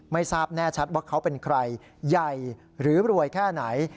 ไม่ทราบแน่ชัดว่าเขาเป็นใครใหญ่หรือรวยแค่ไหน